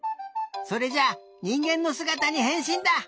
それじゃにんげんのすがたにへんしんだ！